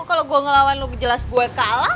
kalau gue ngelawan lebih jelas gue kalah